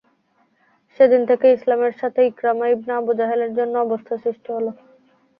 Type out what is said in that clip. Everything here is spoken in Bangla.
সেদিন থেকে ইসলামের সাথে ইকরামা ইবনে আবু জাহলের অন্য অবস্থা সৃষ্টি হল।